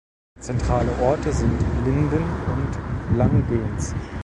Zentrale Orte sind Linden und Langgöns.